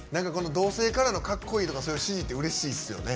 同性からのかっこいいとかそういう支持ってうれしいですよね。